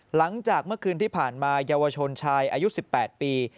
หลังจากเมื่อคืนที่ผ่านมาเยาวชนชายอายุ๑๘ปี